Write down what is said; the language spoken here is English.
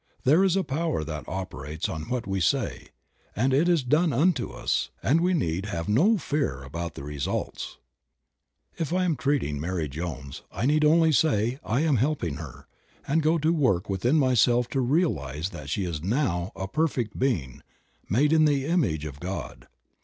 There is a power that operates on what we say, and it is done unto us, and we need have no fear about the results. If I am treating Mary Jones I need only say I am helping her, and go to work within myself to realize that she is now a perfect being, made in the image of God.